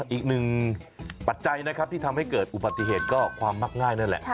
ปัจจัยนะครับที่ทำให้เกิดอุบัติเหตุก็ความมักง่ายนั่นแหละ